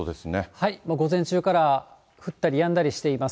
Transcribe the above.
はい、午前中から降ったりやんだりしています。